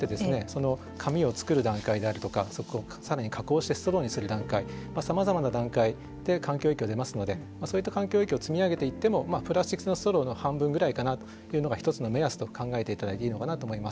その紙を作る段階であるとか更に加工してストローにする段階まあさまざまな段階で環境影響出ますのでそういった環境影響積み上げていってもまあプラスチック製のストローの半分ぐらいかなというのが一つの目安と考えていただいていいのかなと思います。